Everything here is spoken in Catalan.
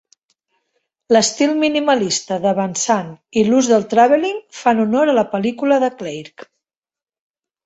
L'estil minimalista de Van Sant i l'ús del tràveling fan honor a la pel·lícula de Clarke.